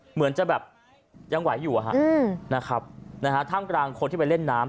เหมือนจะแบบยังไหวอยู่นะครับนะฮะท่ามกลางคนที่ไปเล่นน้ำ